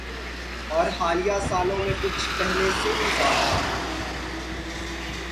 اورحالیہ سالوں میں کچھ پہلے سے بھی زیادہ۔